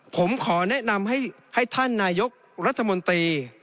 ผมขอแนะนำให้ท่านนายกรัฐมนตรี